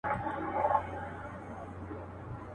شرنګ د زولنو به دي غوږو ته رسېدلی وي.